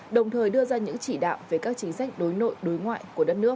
đồng thời đưa ra những chỉ đạo về các chính sách đối nội đối ngoại của đất nước